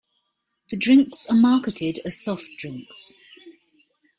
The drinks are marketed as soft drinks.